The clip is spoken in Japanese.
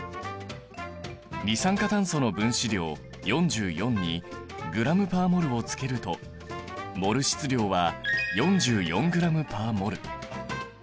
二酸化炭素の分子量４４にｇ／ｍｏｌをつけるとモル質量は４４ｇ／ｍｏｌ。